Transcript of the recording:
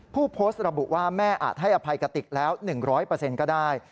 ผู้โพสต์ระบุว่าแม่อาจให้อภัยกติกแล้ว๑๐๐ก็ได้